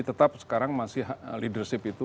tetap sekarang masih leadership itu